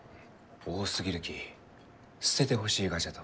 多すぎるき捨ててほしいがじゃと。